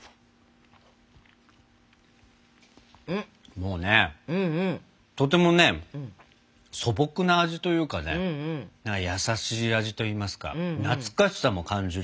もうねとてもね素朴な味というかね優しい味といいますか懐かしさも感じるような味ですね。